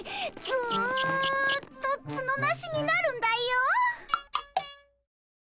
ずっとツノなしになるんだよ。